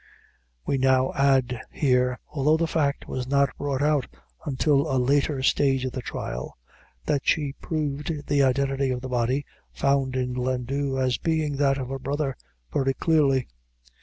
We now add here, although the fact was not brought out until a later stage of the trial, that she proved the identity of the body found in Glendhu, as being that of her brother, very clearly.